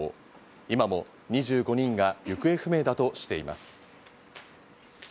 今も２５人が行方不明だとしています。